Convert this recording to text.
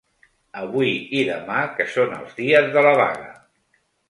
Avui i demà que son els dies de la vaga.